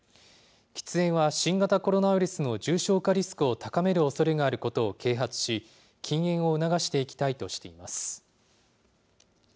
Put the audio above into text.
喫煙は新型コロナウイルスの重症化リスクを高めるおそれがあることを啓発し、禁煙を促していきたいとしています。